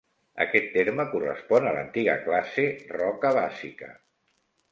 Aquest terme correspon a l'antiga classe roca bàsica.